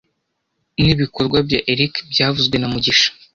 Nibikorwa bya Eric byavuzwe na mugisha